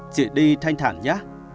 chị đi thanh thản nhé